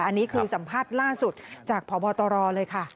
อันนี้คือสัมภาษณ์ล่าสุดจากพบตรเลยค่ะ